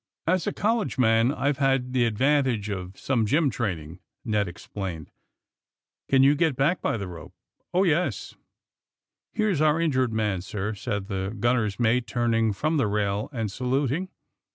'' '^As a college man I've had the advantage of some gym. training," Ned explained. ^^ Can yon get back by the rope ?" ^^Oh, yes." ^^ Here's onr injured man, sir," said the gun ner's mate, turning from the rail and saluting.